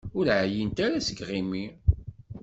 Ur εyint ara seg yiɣimi?